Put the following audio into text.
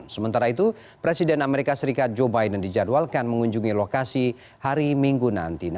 sementara itu presiden amerika serikat joe biden dijadwalkan mengunjungi lokasi hari minggu nanti